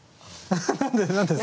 何で何ですか？